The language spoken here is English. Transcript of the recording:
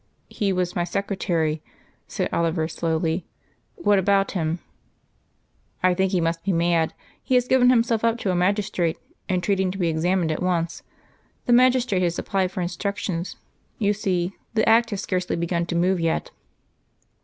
"He was my secretary," said Oliver slowly. "What about him?" "I think he must be mad. He has given himself up to a magistrate, entreating to be examined at once. The magistrate has applied for instructions. You see, the Act has scarcely begun to move yet."